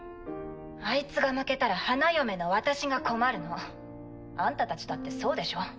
あいつが負けたら花嫁の私が困るの。あんたたちだってそうでしょ。